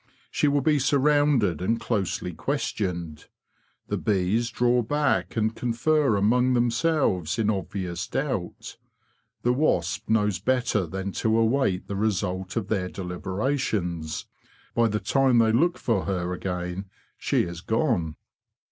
She will be surrounded and closely questioned. The bees draw back and confer among themselves in obvious doubt. The wasp knows better than to await the result of their deliberations; by the time they look for her again, she is gone.